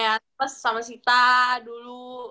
ya plus sama sita dulu